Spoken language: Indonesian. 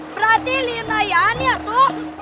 berarti lintai an ya tuh